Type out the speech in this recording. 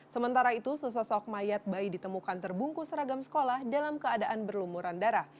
sementara itu sesosok mayat bayi ditemukan terbungkus ragam sekolah dalam keadaan berlumuran darah